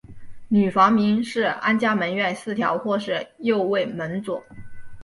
女房名是安嘉门院四条或是右卫门佐。